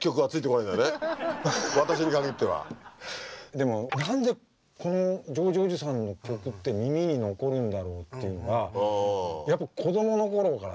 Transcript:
でも何でこのジョージおじさんの曲って耳に残るんだろうっていうのはやっぱ子供の頃からあったもん。